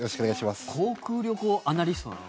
航空・旅行アナリストなの？